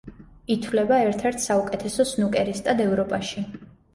ითვლება ერთ-ერთ საუკეთესო სნუკერისტად ევროპაში.